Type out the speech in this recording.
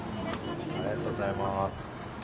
ありがとうございます。